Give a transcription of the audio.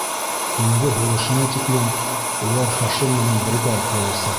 Һуңғы һулышына тиклем улар Хашим менән бергә атлаясаҡ.